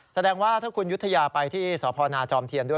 แสดงว่าถ้าคุณยุธยาไปที่สพนาจอมเทียนด้วย